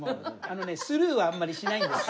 あのねスルーはあんまりしないんです。